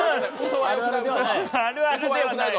あるあるではない。